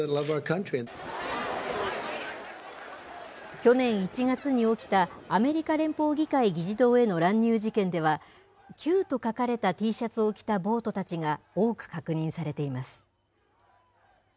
去年１月に起きたアメリカ連邦議会議事堂への乱入事件では、Ｑと書かれたＴシャツを着た暴徒たちが多く確認されています。